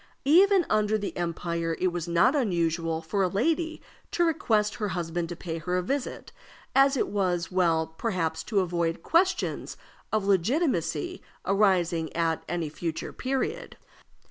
Even under the Empire it was not unusual for a lady to request her husband to pay her a visit, as it was well, perhaps, to avoid questions of legitimacy arising at any future period.